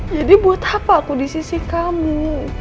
jadi buat apa aku di sisi kamu